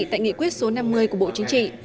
tại nghị quyết số năm mươi của bộ chính trị